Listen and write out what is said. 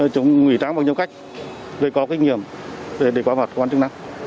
chúng ngủy tráng bằng nhiều cách để có kinh nghiệm để đề quả mặt quan trọng năng